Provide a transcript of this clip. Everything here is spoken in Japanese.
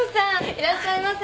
いらっしゃいませ。